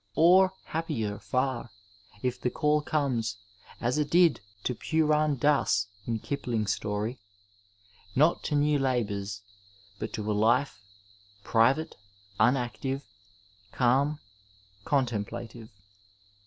Or, happier far, if the caU comes, as it did to Puran Das in Elipling's story, not to new labours, but to a life *' private, unactive, calm, contemplative."